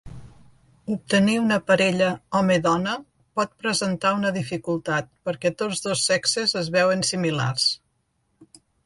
Obtenir una parella home-dona pot presentar una dificultat perquè tots dos sexes es veuen similars.